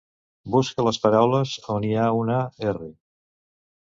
Busca les paraules on hi ha una 'r'.